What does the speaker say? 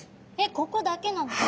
ここだけなんですか？